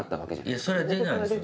いやそりゃ出ないですよ